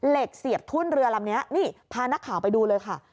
เสียบทุ่นเรือลำนี้นี่พานักข่าวไปดูเลยค่ะ